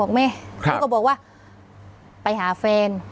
ครับบอกว่าไปหาแฟน